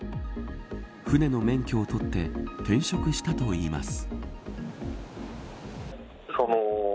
船の免許を取って転職したといいます。